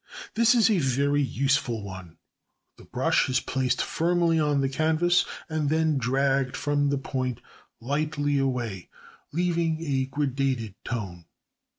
This is a very useful one. The brush is placed firmly on the canvas and then dragged from the point lightly away, leaving a gradated tone.